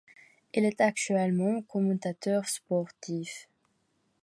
Il est actuellement commentateur sportif.